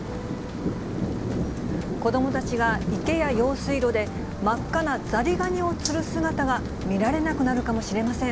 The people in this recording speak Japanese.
子どもたちが池や用水路で、真っ赤なザリガニを釣る姿が見られなくなるかもしれません。